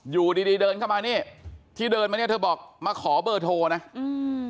อยู่ดีดีเดินเข้ามานี่ที่เดินมาเนี้ยเธอบอกมาขอเบอร์โทรนะอืม